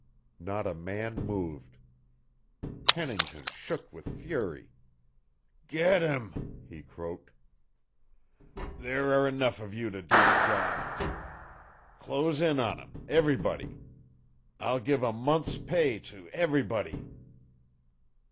Not a man moved. Pennington shook with fury. "Get him," he croaked. "There are enough of you to do the job. Close in on him everybody. I'll give a month's pay to everybody."